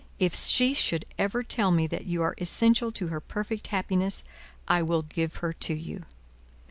If she should ever tell me that you are essential to her perfect happiness, I will give her to you.